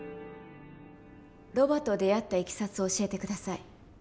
ロバと出会ったいきさつを教えて下さい。